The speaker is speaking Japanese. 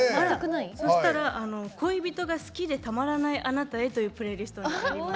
そしたら「恋人が好きでたまらないあなたへ」というプレイリストになります。